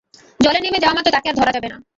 জলে নেমে যাওয়া মাত্র তাকে আর ধরা যাবে না।